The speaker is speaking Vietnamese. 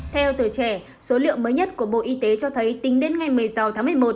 theo tuổi trẻ số liệu mới nhất của bộ y tế cho thấy tính đến ngày một mươi sáu tháng một mươi một